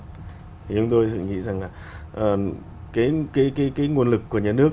thì chúng tôi nghĩ rằng là cái nguồn lực của nhà nước